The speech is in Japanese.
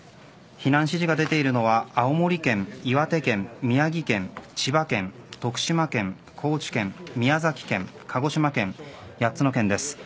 避難指示が出ているのは青森県、岩手県、宮城県、千葉県徳島県、高知県、宮崎県鹿児島県、８つの県です。